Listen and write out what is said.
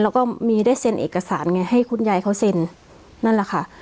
แล้วก็มีได้เซ็นเอกสารไงให้คุณยายเขาเซ็นนั่นแหละค่ะ